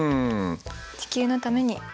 地球のために。